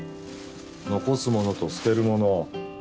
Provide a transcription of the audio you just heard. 残すものと捨てるもの。